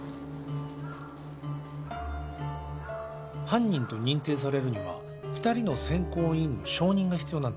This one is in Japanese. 犯人と認定されるには２人の選考委員の承認が必要なんだ